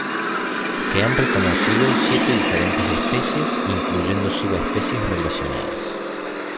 Se han reconocido siete diferentes especies, incluyendo subespecies relacionadas.